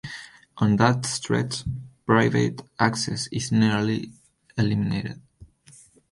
On that stretch, private access is nearly eliminated.